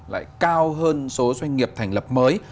lại cao hơn số doanh nghiệp thành lập mới